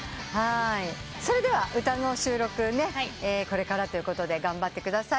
それでは歌の収録これからということで頑張ってください。